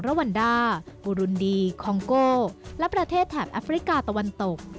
วันดาบูรุนดีคองโกและประเทศแถบแอฟริกาตะวันตก